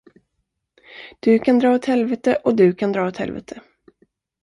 Du kan dra åt helvete och du kan dra åt helvete!